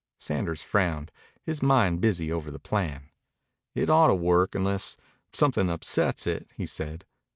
Sanders frowned, his mind busy over the plan. "It ought to work, unless something upsets it," he said.